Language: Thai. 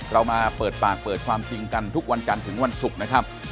เรามาเปิดปากเปิดความจริงกันทุกวันจันทร์ถึงวันศุกร์นะครับ